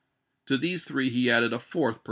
To these three he added a fom th pur v.